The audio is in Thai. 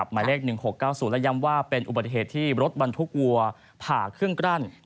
หมายเลข๑๖๙๐และย้ำว่าเป็นอุบัติเหตุที่รถบรรทุกวัวผ่าเครื่องกลั้น